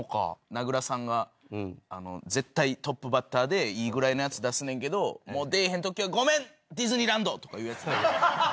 名倉さんが絶対トップバッターでいいぐらいのやつ出すねんけどもう出えへんときは。とか言うやつね。